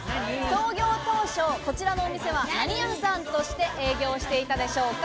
創業当初、こちらのお店は何屋さんとして営業していたでしょうか？